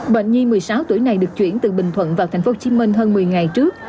bệnh nhi một mươi sáu tuổi này được chuyển từ bình thuận vào tp hcm hơn một mươi ngày trước